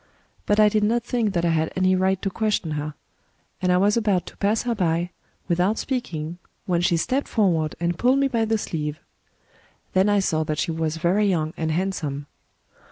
But I did not think that I had any right to ques tion her; and I was about to pass her by, with out speaking, when she stepped forward and pulled me by the sleeve. Then I saw that she was very young and handsome.